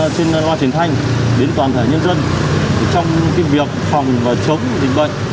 trên loa truyền thanh đến toàn thể nhân dân trong việc phòng và chống dịch bệnh